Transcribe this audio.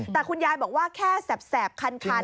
แต่คุณยายบอกว่าแค่แสบคัน